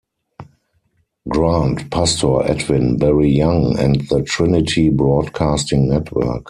Grant, pastor Edwin Barry Young, and the Trinity Broadcasting Network.